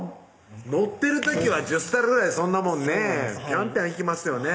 乗ってる時は１０皿ぐらいそんなもんねぇピャンピャンいきますよね